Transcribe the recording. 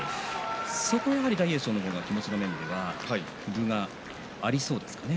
そこはやはり大栄翔の方が気持ちの面では分がありそうですかね。